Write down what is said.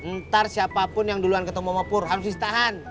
ntar siapapun yang duluan ketemu mopur harus ditahan